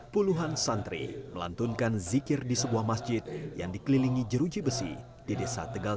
puluhan santri melantunkan zikir di sebuah masjid yang dikelilingi jeruji besi di desa tegal